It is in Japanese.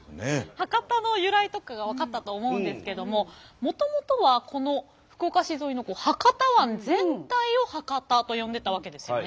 博多の由来とかが分かったと思うんですけどももともとはこの福岡市沿いの博多湾全体を博多と呼んでたわけですよね。